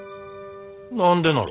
何でなら。